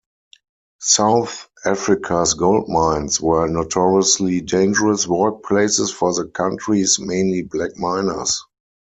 South Africa's gold mines were notoriously dangerous workplaces for the country's mainly black miners.